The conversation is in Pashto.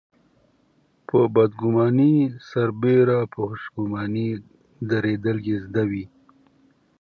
په بدګماني سربېره په خوشګماني درېدل يې زده وي.